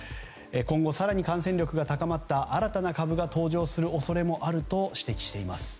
今後更に感染力が強まった新たな株が登場する恐れもあると指摘しています。